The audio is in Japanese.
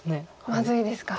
まずいですか。